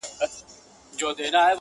خاطرې په یاد لیکلی دی -